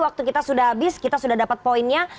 waktu kita sudah habis kita sudah dapat poinnya